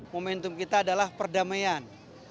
momentum kita adalah perdamaian